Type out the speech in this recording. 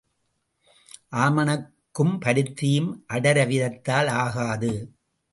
ஆமணக்கும் பருத்தியும் அடர விதைத்தல் ஆகாது.